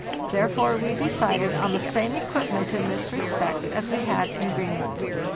Therefore we decided on the same equipment in this respect as we had in Greenland.